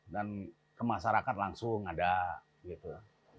dan ke masyarakat langsung ada gitu